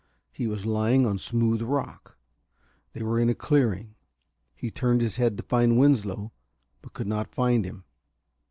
He was lying on smooth rock. They were in a clearing. He turned his head to find Winslow, but could not find him.